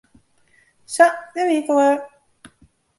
Sa, dêr wie ik al wer.